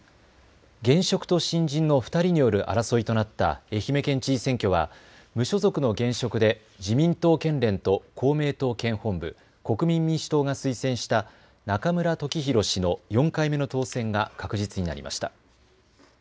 現職と新人の２人による争いとなった愛媛県知事選挙は無所属の現職で自民党県連と公明党県本部、国民民主党が推薦した中村時広氏の４回目の当選が確実になりました。